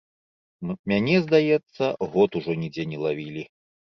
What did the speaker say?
Мяне, здаецца, год ужо нідзе не лавілі.